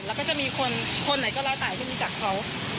แล้วก็จะมีคนไหนก็ละตายขึ้นจากเขา